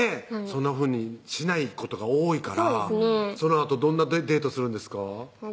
そんなふうにしないことが多いからそのあとどんなデートするんですか？